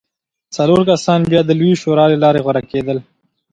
څلور کسان بیا د لویې شورا له لارې غوره کېدل